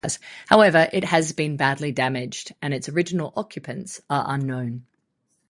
However, it has been badly damaged, and its original occupants are unknown.